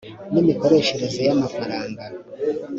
n imikoreshereze y amafaranga